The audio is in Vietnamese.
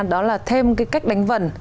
đó là thêm cái cách đánh vần